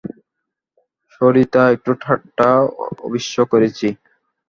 সরি-তা একটু ঠাট্টা অবশ্যি করেছি।